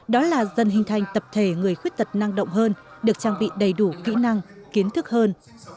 đó là dần hình thành tập thể người khuyết tật năng động hơn được trang bị đầy đủ kỹ năng kiến thức hơn